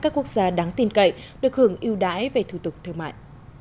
các quốc gia đáng tin cậy được hưởng yêu đái về thủ tục thương mại